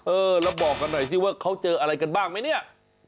เออเราบอกกันหน่อยสิว่าเขาเจออะไรกันบ้างไหมเนี่ย